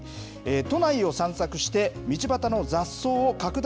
都内を散策して道端の雑草を拡大